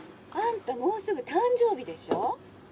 あんたもうすぐ誕生日でしょ？